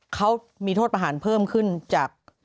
เขามีโทษประหารเพิ่มขึ้นจาก